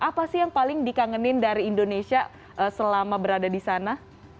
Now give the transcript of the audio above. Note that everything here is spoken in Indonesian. apa sih yang paling dikangenin dari indonesia selama berada di sana